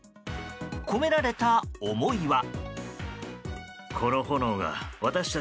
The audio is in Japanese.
込められた思いは。